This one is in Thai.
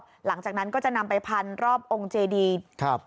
หลังจากนั้นก็จะนำไปพันรอบองค์เจดีครับ